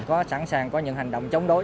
có sẵn sàng có những hành động chống đối